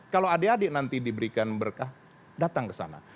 kalau adik adik nanti diberikan berkah datang ke sana